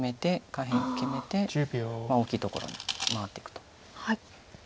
下辺決めて大きいところに回っていくと。